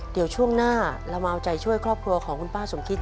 เดี๋ยวช่วงหน้าเรามาเอาใจช่วยครอบครัวของคุณป้าสมคิต